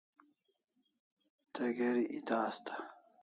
Te geri eta asta